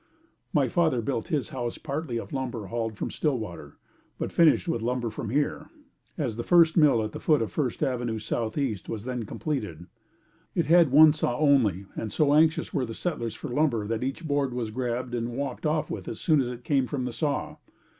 My father built his house partly of lumber hauled from Stillwater, but finished with lumber from here, as the first mill at the foot of First Avenue Southeast was then completed. It had one saw only and so anxious were the settlers for the lumber, that each board was grabbed and walked off with as soon as it came from the saw.